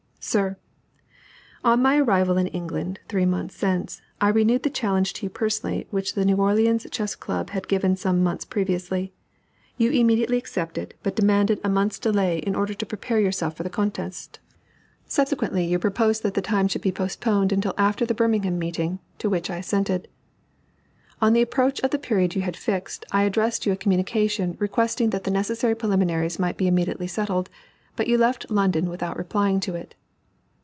SIR, On my arrival in England, three months since, I renewed the challenge to you personally which the New Orleans Chess Club had given some months previously. You immediately accepted, but demanded a month's delay in order to prepare yourself for the contest. Subsequently, you proposed that the time should be postponed until after the Birmingham meeting, to which I assented. On the approach of the period you had fixed, I addressed you a communication, requesting that the necessary preliminaries might be immediately settled, but you left London without replying to it.